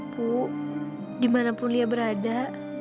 bu dimanapun lia berada